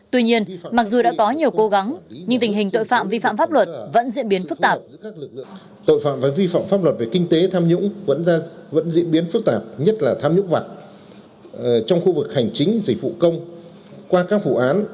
tuy nhiên mặc dù đã có nhiều cố gắng nhưng tình hình tội phạm vi phạm pháp luật vẫn diễn biến phức tạp